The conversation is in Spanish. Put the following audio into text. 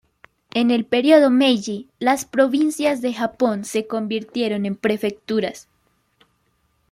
En el período Meiji, las provincias de Japón se convirtieron en prefecturas.